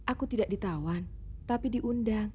aku tidak ditawan tapi diundang